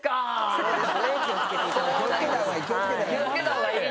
気を付けたほうがいい。